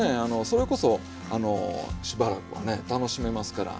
それこそあのしばらくはね楽しめますから。